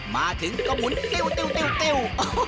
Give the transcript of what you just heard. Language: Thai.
มาถึงกระหมุนติวติวติวติว